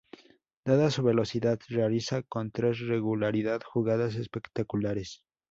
Dada su velocidad, realiza con regularidad jugadas espectaculares.